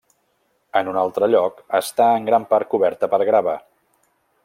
En un altre lloc està en gran part coberta per grava.